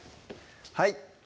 はい